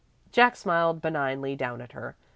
Jack smiled benignly down at her.